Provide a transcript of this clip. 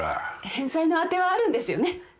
返済の当てはあるんですよね？